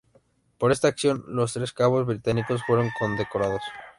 Por esta acción los tres cabos británicos fueron condecorados.